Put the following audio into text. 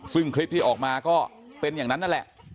ซึ่งคลิปที่ออกมาก็เป็นอย่างนั้นนั่นแหละ